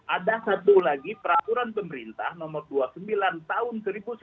ada satu lagi peraturan pemerintah nomor dua puluh sembilan tahun seribu sembilan ratus sembilan puluh